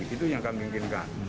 itu yang kami inginkan